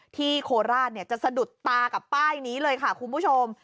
โคราชจะสะดุดตากับป้ายนี้เลยค่ะคุณผู้ชม